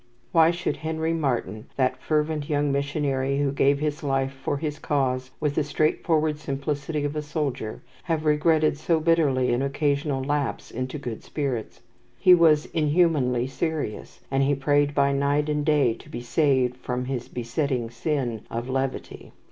Why should Henry Martyn, that fervent young missionary who gave his life for his cause with the straight forward simplicity of a soldier, have regretted so bitterly an occasional lapse into good spirits? He was inhumanly serious, and he prayed by night and day to be saved from his "besetting sin" of levity.